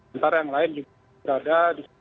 antara yang lain juga berada di